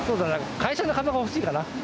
会社の株が欲しいかな。